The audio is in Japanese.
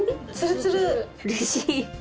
うれしい！